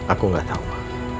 aku nggak tahu ma